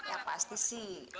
ya pasti sih